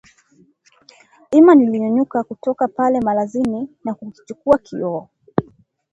Hima, nilinyanyuka toka pale malazini na kukichukua kioo